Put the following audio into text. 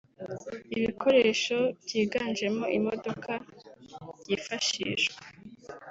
ibikoresho byiganjemo imodoka byifashishwa